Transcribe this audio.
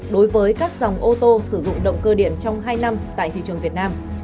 đối với các dòng ô tô sử dụng động cơ điện trong hai năm tại thị trường việt nam